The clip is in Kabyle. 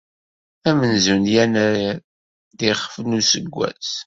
Amenzu n yennayer d ixef n useggas.